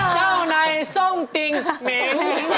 เจ้านายส้มติงเหม็น